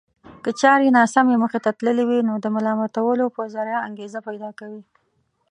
که چارې ناسمې مخته تللې وي نو د ملامتولو په ذريعه انګېزه پيدا کوي.